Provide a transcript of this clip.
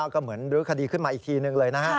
ก็เหมือนลึกคดีขึ้นมาอีกทีหนึ่งเลย